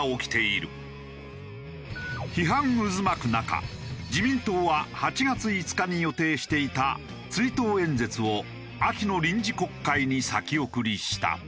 批判渦巻く中自民党は８月５日に予定していた追悼演説を秋の臨時国会に先送りした。